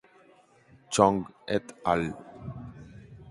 Chong et al.